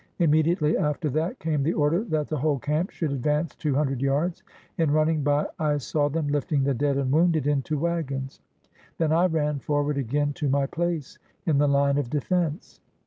Immediately after that came the order that the whole camp should advance two hundred yards. In run ning by I saw them lifting the dead and wounded into wagons. Then I ran forward again to my place in the line of defense.